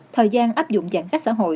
thời gian áp dụng giãn cách xã hội